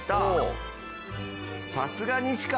さすが西川！